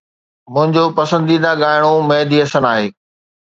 منهنجو پسنديده ڳائڻو مهدي حسن آهي.